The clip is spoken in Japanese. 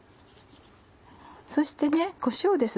そしてこしょうです。